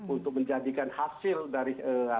untuk menjadikan hasil dari